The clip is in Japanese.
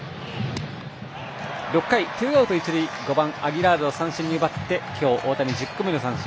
６回、ツーアウト、一塁５番、アギラールを三振に奪って大谷、今日１０個目の三振。